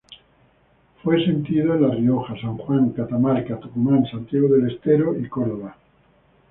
Fue sentido en La Rioja, San Juan, Catamarca, Tucumán, Santiago del Estero y Córdoba.